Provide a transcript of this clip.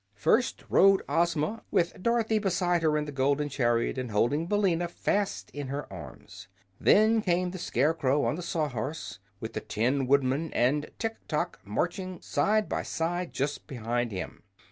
First rode Ozma, with Dorothy beside her in the golden chariot and holding Billina fast in her arms. Then came the Scarecrow on the Sawhorse, with the Tin Woodman and Tiktok marching side by side just behind him.